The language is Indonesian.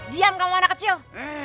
diam kamu anak kecil